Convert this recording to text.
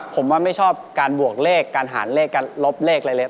ผมว่าไม่ชอบการบวกเลขการหารเลขการลบเลขอะไรเลย